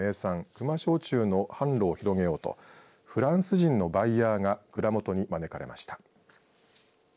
球磨焼酎の販路を広げようとフランス人のバイヤーが蔵元に招かれました。